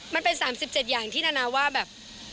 มันเป็น๓๗อย่างที่นานาว่าแบบ